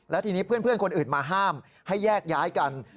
และทีนี้เพื่อนคนอื่นมาห้ามให้แยกย้ายกัน